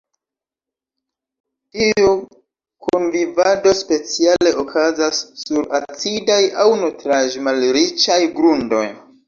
Tiu kunvivado speciale okazas sur acidaj aŭ nutraĵ-malriĉaj grundoj.